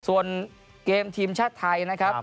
ส่วนเกมทีมชาติไทยนะครับ